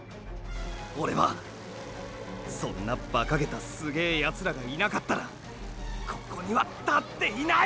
オレはそんなバカげたすげえヤツらがいなかったらここには立っていない！